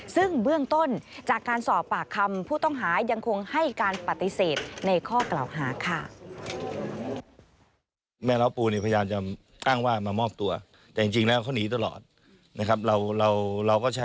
ซึ่งเบื้องต้นจากการสอบปากคำผู้ต้องหายังคงให้การปฏิเสธในข้อกล่าวหาค่ะ